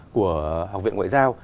của học viện ngoại giao